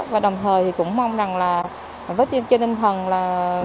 và đồng thời thì cũng mong rằng là với chân trinh thần là